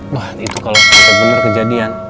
wah itu kalo bener bener kejadian